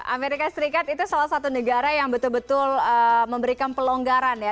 amerika serikat itu salah satu negara yang betul betul memberikan pelonggaran ya